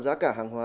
giá cả hàng hóa